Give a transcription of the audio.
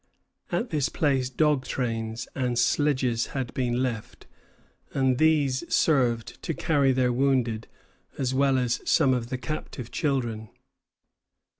At this place dog trains and sledges had been left, and these served to carry their wounded, as well as some of the captive children.